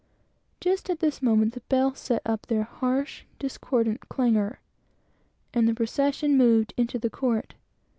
Just at this moment, the bells set up their harsh, discordant clang; and the procession moved into the court.